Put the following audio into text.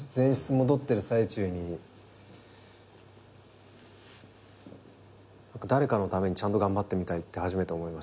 戻ってる最中に誰かのためにちゃんと頑張ってみたいって初めて思いましたね。